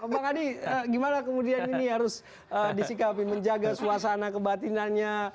bang adi gimana kemudian ini harus disikapi menjaga suasana kebatinannya